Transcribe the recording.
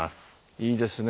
いいですね。